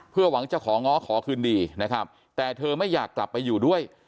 เพื่อหวังจะของ้อขอคืนดีนะครับแต่เธอไม่อยากกลับไปอยู่ด้วย